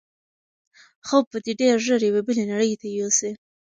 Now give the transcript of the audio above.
خوب به دی ډېر ژر یوې بلې نړۍ ته یوسي.